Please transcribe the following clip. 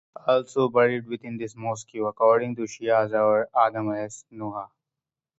Also buried within this mosque according to Shias are Adam and Noah.